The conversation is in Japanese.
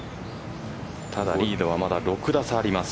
ただ、リードはまだ６打差あります。